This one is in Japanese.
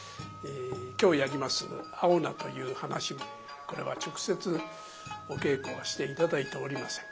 今日やります「青菜」という噺もこれは直接お稽古はして頂いておりません。